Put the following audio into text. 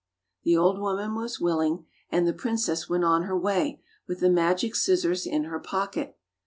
The old woman was willing, and the prin cess went on her way with the magic scissors in her pocket.